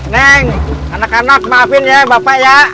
neng anak anak maafin ya bapak ya